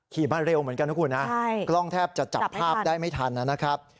มาเร็วเหมือนกันนะคุณนะกล้องแทบจะจับภาพได้ไม่ทันนะครับ